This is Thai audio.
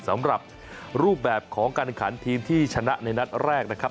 สำหรับรูปแบบของการแข่งขันทีมที่ชนะในนัดแรกนะครับ